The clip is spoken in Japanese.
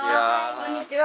こんにちは。